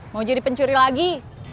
mau jadi pencuri lagi